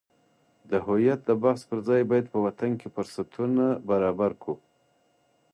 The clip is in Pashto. د هویت د بحث پرځای باید په وطن کې فرصتونه برابر کړو.